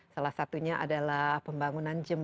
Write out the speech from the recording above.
salah satu kondisi yang menarik adalah pemerintah kota batam